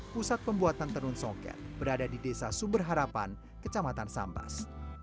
pusat pembuatan tenun soket berada di desa sumber harapan kecamatan sambas